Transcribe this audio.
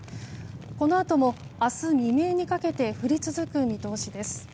このあとも明日未明にかけて降り続く見通しです。